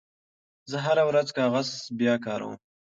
زه هره ورځ کاغذ بیاکاروم.